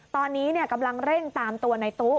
ตอนนี้กำลังเร่งตามตัวในตู้